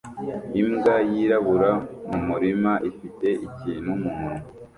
Imbwa yirabura mumurima ifite ikintu mumunwa